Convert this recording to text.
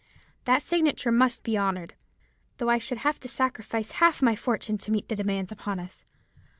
That signature must be honoured, though I should have to sacrifice half my fortune to meet the demands upon us.